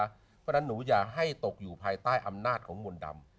เพราะฉะนั้นหนูอย่าให้ตกอยู่ภายใต้อำนาจของมนต์ดำ